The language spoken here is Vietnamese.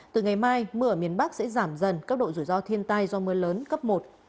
từ ngày mai mưa ở miền bắc sẽ giảm dần cấp độ rủi ro thiên tai do mưa lớn cấp một